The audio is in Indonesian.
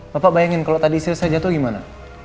bapak bayangin kalau tadi istri saya jatuh gimana